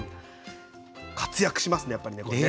活躍しますねやっぱりねこれね。